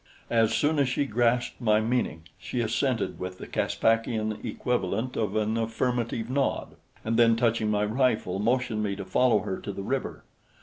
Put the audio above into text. As soon as she grasped my meaning, she assented with the Caspakian equivalent of an affirmative nod, and then touching my rifle, motioned me to follow her to the river.